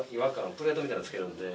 プレートみたいなのつけるので。